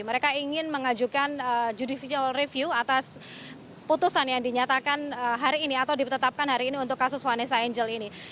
mereka ingin mengajukan judicial review atas putusan yang dinyatakan hari ini atau ditetapkan hari ini untuk kasus vanessa angel ini